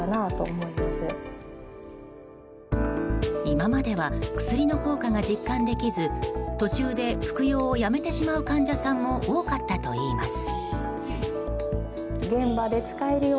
今までは薬の効果が実感できず途中で服用をやめてしまう患者さんも多かったといいます。